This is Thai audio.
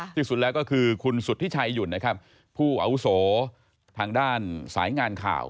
ที่สุดแล้วก็คือคุณสุธิชัยหยุ่นนะครับผู้อาวุโสทางด้านสายงานข่าว